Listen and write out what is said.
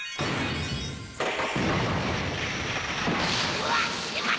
・・うわっしまった！